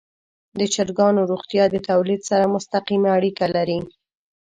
د چرګانو روغتیا د تولید سره مستقیمه اړیکه لري.